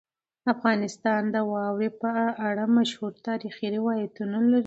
افغانستان د واوره په اړه مشهور تاریخی روایتونه لري.